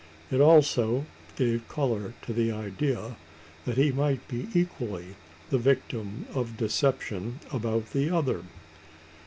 It also gave colour to the idea, that he might be equally the victim of deception about the other.